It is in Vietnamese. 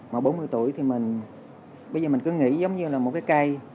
mà bốn mươi tuổi thì mình bây giờ mình cứ nghĩ giống như là một cái cây